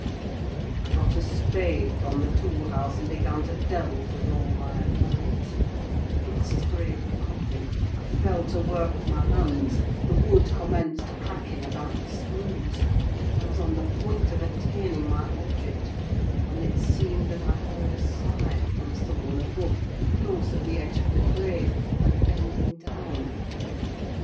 I got a spade from the tool house, and began to delve with all my might—it scraped the coffin; I fell to work with my hands; the wood commenced cracking about the screws; I was on the point of attaining my object, when it seemed that I heard a sigh from some one above, close at the edge of the grave, and bending down.